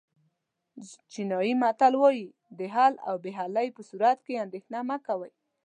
چینایي متل وایي د حل او بې حلۍ په صورت کې اندېښنه مه کوئ.